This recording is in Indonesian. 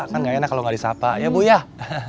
kan gak enak kalau gak disapa ya bu yah